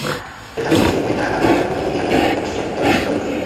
El jardín se encuentra abierto al público diariamente excepto los lunes.